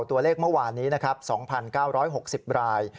ตัวเลขเมื่อวานนี้นะครับ๒๙๖๐ราย